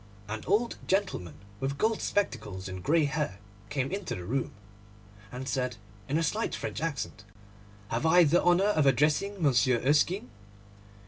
An old gentleman with gold spectacles and grey hair came into the room, and said, in a slight French accent, 'Have I the honour of addressing Monsieur Erskine?